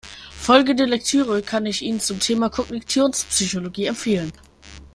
Folgende Lektüre kann ich Ihnen zum Thema Kognitionspsychologie empfehlen.